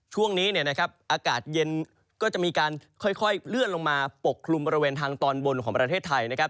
ช่วงนี้เนี่ยนะครับอากาศเย็นก็จะมีการค่อยเลื่อนลงมาปกคลุมบริเวณทางตอนบนของประเทศไทยนะครับ